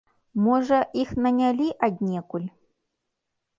Можа, іх нанялі аднекуль?